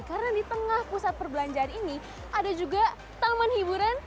karena di tengah pusat perbelanjaan ini ada juga taman hiburan